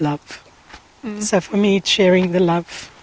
jadi bagi saya itu adalah berbagi cinta